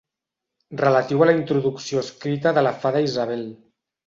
Relatiu a la introducció escrita per la fada Isabel.